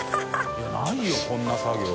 いないよこんな作業。